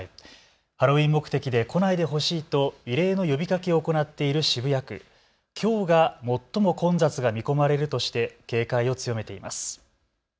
ハロウィーン目的で来ないでほしいと異例の呼びかけを行っている渋谷区、きょうが最も混雑が見込まれるとして警戒を強めています。